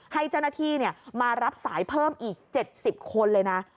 ให้เจ้าหน้าที่มารับสายเพิ่มอีก๗๐คนเลยนะ